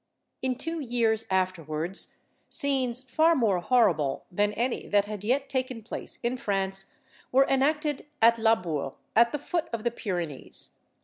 In two years afterwards, scenes far more horrible than any that had yet taken place in France were enacted at Labourt, at the foot of the Pyrenees.